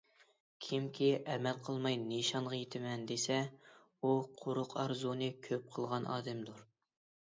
كىمكى ئەمەل قىلماي نىشانغا يېتىمەن دېسە، ئۇ قۇرۇق ئارزۇنى كۆپ قىلىدىغان ئادەمدۇر.